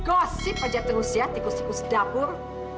gosip aja terus ya tikus tikus dapur